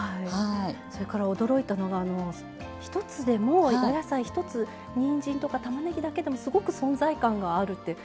それから驚いたのが１つでもお野菜１つにんじんとかたまねぎだけでもすごく存在感があるって。